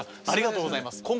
ありがとうございます。